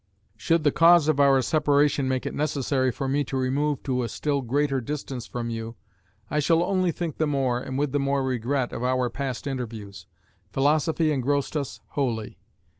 Should the cause of our separation make it necessary for to me remove to a still greater distance from you, I shall only think the more, and with the more regret, of our past interviews.... Philosophy engrossed us wholly.